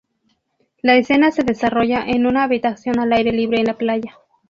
La escena se desarrolla en una habitación al aire libre en la playa.